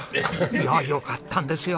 いやよかったんですよ！